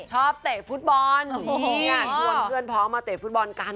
เตะฟุตบอลชวนเพื่อนพ้องมาเตะฟุตบอลกัน